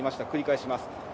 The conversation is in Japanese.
繰り返します。